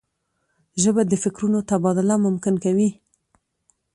ژبه د فکرونو تبادله ممکن کوي